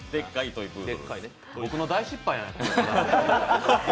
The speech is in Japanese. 僕の大失敗やで。